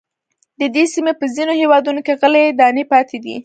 د دې سیمې په ځینو هېوادونو کې غلې دانې پاتې دي.